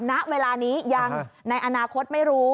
ณเวลานี้ยังในอนาคตไม่รู้